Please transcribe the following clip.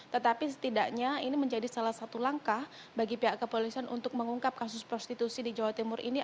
tetapi setidaknya ini menjadi salah satu langkah bagi pihak kepolisian untuk mengungkap kasus prostitusi di jawa timur ini